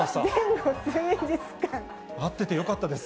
合っててよかったです。